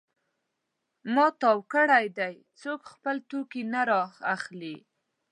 ما تو کړی دی؛ څوک خپل توکی نه رااخلي.